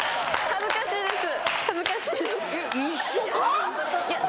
恥ずかしいです。